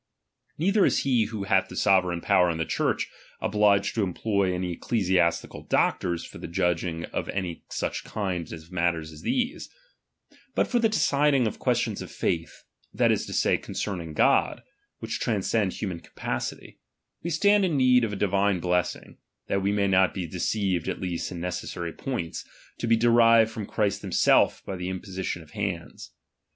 Neither is he who hath the sovereign power in the Church, obliged RELIGION. 297 to employ any ecclesiastical doctors for the judg chap.xvi iDg of any such kind of matters as these. But for ^'c^^,^^ " the deciding of questions of faith, that is to say, litj nrntmie concerning God, which transcend human capacity, bj cietgynm, we. stand in need of a divine blessing, (that we may not be deceived at least in necessary points), to be derived from Christ himself by the imposi tioTi of hands.